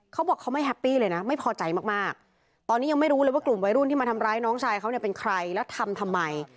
เขาบอกเขาไม่แฮปปี้เลยนะไม่พอใจมากตอนนี้ยังไม่รู้เลยว่ากลุ่มวัยรุ่นที่มาทำร้ายน้องชายเขาเนี่ยเป็นใครแล้วทำทำไม